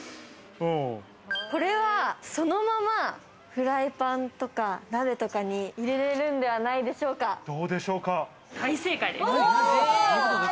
これは、そのままフライパンとか鍋とかに入れれるんではないでし大正解です。